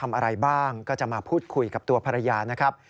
ทำอะไรบ้างก็จะมาพูดคุยกับตัวภรรยานะครับ